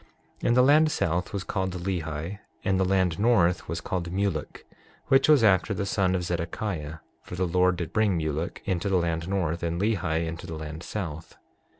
6:10 Now the land south was called Lehi and the land north was called Mulek, which was after the son of Zedekiah; for the Lord did bring Mulek into the land north, and Lehi into the land south.